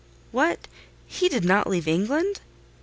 "What! did he not leave England?"